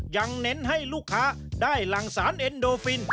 เน้นให้ลูกค้าได้หลังสารเอ็นโดฟิน